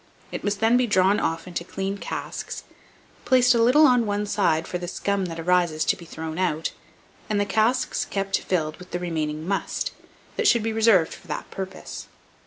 It must then be drawn off into clean casks, placed a little on one side for the scum that arises to be thrown out, and the casks kept filled with the remaining "must," that should be reserved for that purpose.